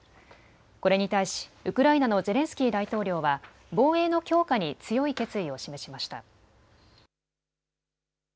これに対しウクライナのゼレンスキー大統領は防衛の強化に強い決意を示しました。